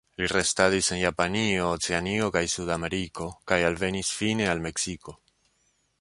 Li restadis en Japanio, Oceanio kaj Sudameriko, kaj alvenis fine al Meksiko.